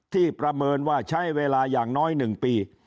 ประเมินว่าใช้เวลาอย่างน้อย๑ปี